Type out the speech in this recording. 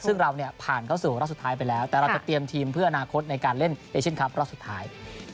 ซึ่งเราเนี่ยผ่านเข้าสู่รอบสุดท้ายไปแล้วแต่เราจะเตรียมทีมเพื่ออนาคตในการเล่นเอเชียนคลับรอบสุดท้าย